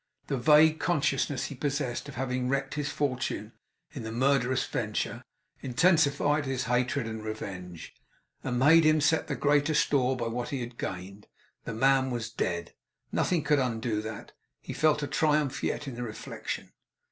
The vague consciousness he possessed of having wrecked his fortune in the murderous venture, intensified his hatred and revenge, and made him set the greater store by what he had gained The man was dead; nothing could undo that. He felt a triumph yet, in the reflection.